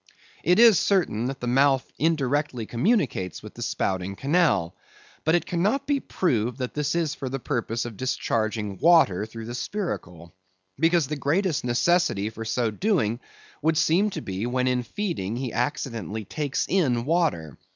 It is certain that the mouth indirectly communicates with the spouting canal; but it cannot be proved that this is for the purpose of discharging water through the spiracle. Because the greatest necessity for so doing would seem to be, when in feeding he accidentally takes in water.